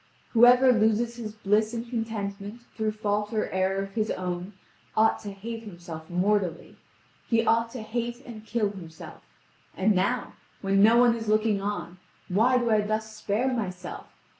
Whoever loses his bliss and contentment through fault or error of his own ought to hate himself mortally. He ought to hate and kill himself. And now, when no one is looking on, why do I thus spare myself?